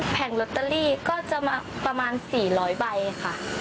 ลอตเตอรี่ก็จะมาประมาณ๔๐๐ใบค่ะ